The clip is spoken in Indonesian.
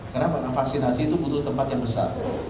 kenapa vaksinasi itu butuh tempat yang besar